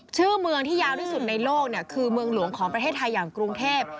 ชื่อเมืองที่ยาวที่สุดในโลกคือเมืองหลวงของประเทศไทยอย่างกรุงเทพ